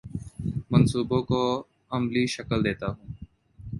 منصوبوں کو عملی شکل دیتا ہوں